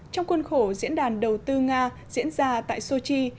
trong khuôn khổ diễn đàn đầu tư nga diễn ra tại sochi